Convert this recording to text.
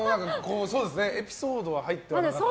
エピソードは入ってなかったですね。